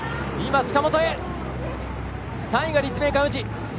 ３位が立命館宇治。